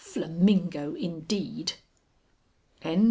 Flamingo, indeed!" XVI.